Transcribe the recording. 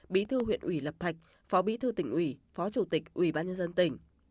bí thư huyện ủy lập thạch phó bí thư tỉnh ủy phó chủ tịch ubnd tỉnh